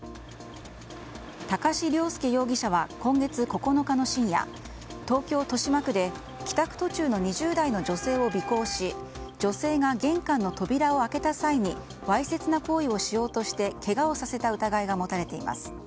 高師良介容疑者は今月９日の深夜東京・豊島区で帰宅途中の２０代の女性を尾行し女性が玄関の扉を開けた際にわいせつな行為をしようとしてけがをさせた疑いが持たれています。